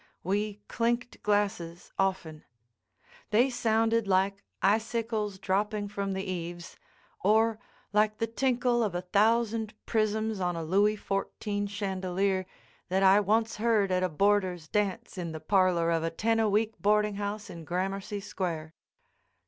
We clinked glasses often. They sounded like icicles dropping from the eaves, or like the tinkle of a thousand prisms on a Louis XIV chandelier that I once heard at a boarder's dance in the parlor of a ten a week boarding house in Gramercy Square.